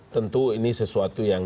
tentu ini sesuatu yang